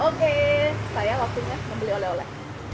oke saya waktunya membeli oleh oleh